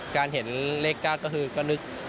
การเห็นเลข๙ก็คือก็นึก